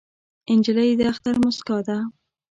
نجلۍ د اختر موسکا ده.